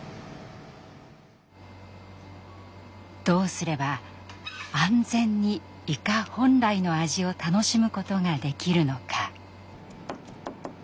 どうすれば安全にイカ本来の味を楽しむことができるのか。